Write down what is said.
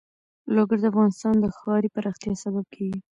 لوگر د افغانستان د ښاري پراختیا سبب کېږي.